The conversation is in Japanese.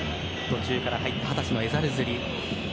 途中から入った二十歳のエザルズリ。